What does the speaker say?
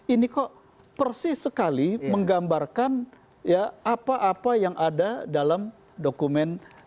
ini kok persis sekali menggambarkan ya apa apa yang ada dalam dokumen